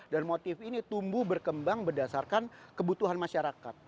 dan motif ini tumbuh berkembang berdasarkan kebutuhan masyarakat